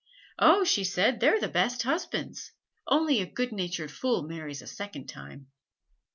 Oh, she said, they're the best husbands. Only a good natured fool marries a second time.'